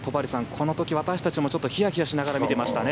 この時私たちもヒヤヒヤしながら見ていましたね。